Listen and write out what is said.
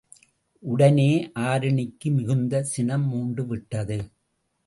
உடனே ஆருணிக்கு மிகுந்த சினம் மூண்டுவிட்டது.